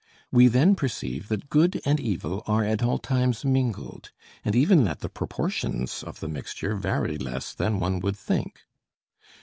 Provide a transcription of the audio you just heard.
We then perceive that good and evil are at all times mingled, and even that the proportions of the mixture vary less than one would think.